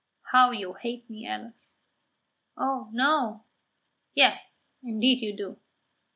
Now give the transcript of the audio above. "How you hate me, Alice!" "Oh, no." "Yes, indeed you do."